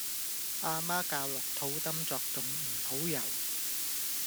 阿媽教落肚 Dum 作動唔好游